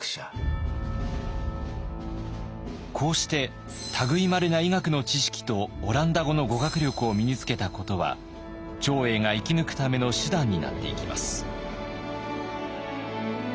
こうして類いまれな医学の知識とオランダ語の語学力を身につけたことは長英が生き抜くための手段になっていきます。